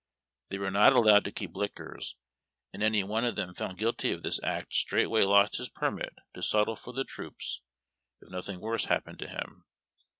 Tliey were not allowed to keep liquors, and any one of them found guilty of this act straightway lost his permit to suttle for the troops, if nothing worse happened him.